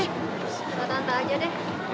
sama tante aja deh